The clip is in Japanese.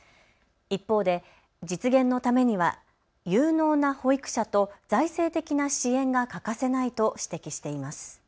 一方で実現のためには有能な保育者と財政的な支援が欠かせないと指摘しています。